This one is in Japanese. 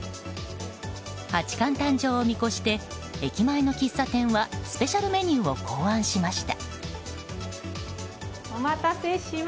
八冠誕生を見越して駅前の喫茶店はスペシャルメニューを考案しました。